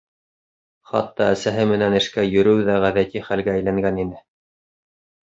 Хатта әсәһе менән эшкә йөрөү ҙә ғәҙәти хәлгә әйләнгән ине.